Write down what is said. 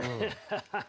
ハハハハ。